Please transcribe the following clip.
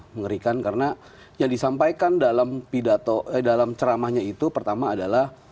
mengerikan karena yang disampaikan dalam ceramahnya itu pertama adalah